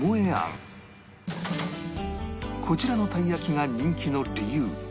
こちらのたい焼きが人気の理由